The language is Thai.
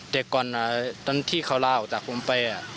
แต่ก่อนตอนที่เขาลาออกจากผมไป